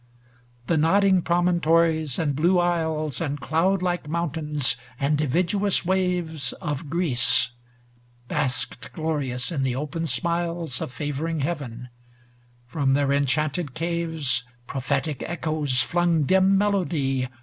IV The nodding promontories, and blue isles, And cloud like mountains, and dividuous waves Of Greece, basked glorious in the open smiles Of favoring heaven; from their en chanted caves Prophetic echoes flung dim melody.